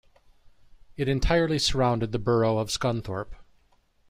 It entirely surrounded the Borough of Scunthorpe.